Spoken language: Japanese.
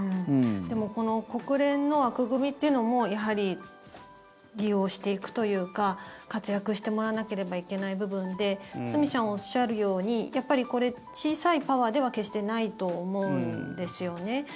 でもこの国連の枠組みというのもやはり利用していくというか活躍してもらわなければいけない部分で堤さんがおっしゃるようにやっぱりこれ、小さいパワーでは決してないと思うんですよね。